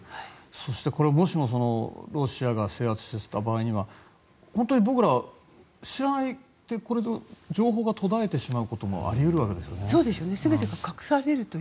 そしてもしもロシアが制圧した場合には本当に僕ら、知らないで情報が途絶えてしまうこともあり得るわけですよね。